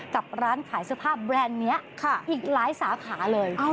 กับร้านขายเสื้อผ้าแบรนด์นี้อีกหลายสาขาเลย